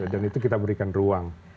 dan itu kita berikan ruang